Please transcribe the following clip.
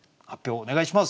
お願いします。